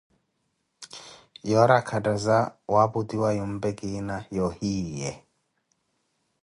yoori akattaza waaputwiwa yumpe kina wa ohiyi ye.